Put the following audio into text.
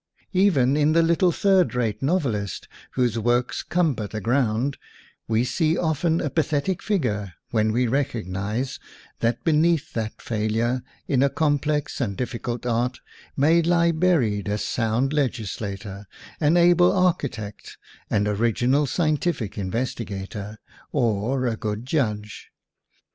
Even in the little third rate novelist whose works cumber the ground, we see WOMAN AND WAR often a pathetic figure when we recog nize that beneath that failure in a com plex and difficult art, may lie buried a sound legislator, an able architect, an original scientific investigator, or a good judge.